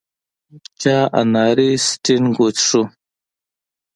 چا اناري سټینګ وڅښو.